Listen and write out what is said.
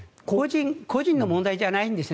個人の問題じゃないんです。